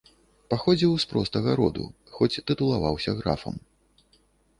Паходзіў з простага роду, хоць тытулаваўся графам.